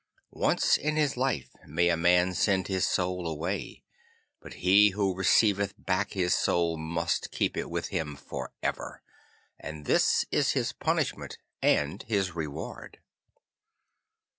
Once in his life may a man send his Soul away, but he who receiveth back his Soul must keep it with him for ever, and this is his punishment and his reward.